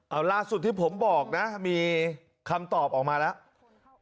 เอาล่าสุดที่ผมบอกนะมีคำตอบออกมาแล้ว